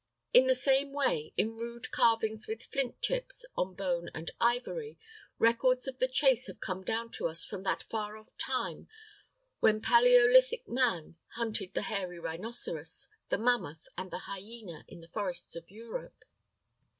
In the same way, in rude carvings with flint chips on bone and ivory, records of the chase have come down to us from that far off time when paleolythic man hunted the hairy rhinoceros, the mammoth and the hyena in the forests of Europe.